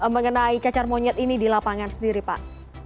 mengenai cacar monyet ini di lapangan sendiri pak